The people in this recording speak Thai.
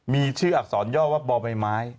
มีชื่ออักษรย่อว่าบ่อใบไม้